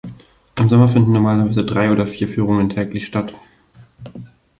Im Sommer finden normalerweise drei oder vier Führungen täglich statt.